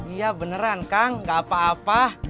iya beneran kang gak apa apa